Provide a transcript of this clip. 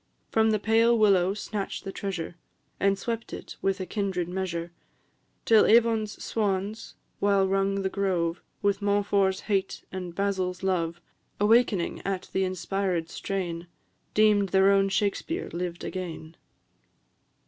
From the pale willow snatch'd the treasure, And swept it with a kindred measure, Till Avon's swans, while rung the grove With Montfort's hate and Basil's love, Awakening at the inspiréd strain, Deem'd their own Shakspeare lived again."